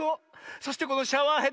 そしてこのシャワーヘッド。